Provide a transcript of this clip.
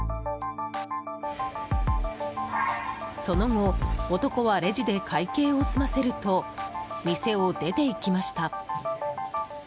その後、男はレジで会計を済ませると店を出ていきました。